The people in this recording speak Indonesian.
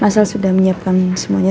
masalah sudah menyiapkan semuanya